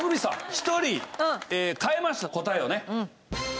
１人変えました答えをね。